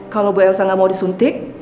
kalau bu elsa nggak mau disuntik